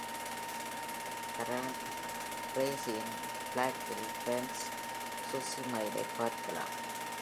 Conrad Bursianனின் பிளாக்கில் Franz Susemihlஐ பார்க்கலாம்.